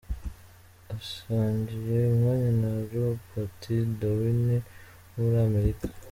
Asangiye umwanya na Robati dowuni, wo muri Amerika.